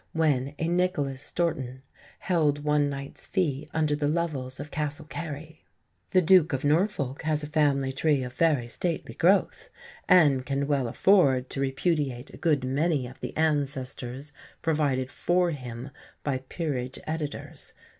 when a Nicholas Stourton held one knight's fee under the Lovells of Castle Cary." The Duke of Norfolk has a family tree of very stately growth, and can well afford to repudiate a good many of the ancestors provided for him by "Peerage" editors.